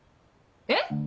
えっ⁉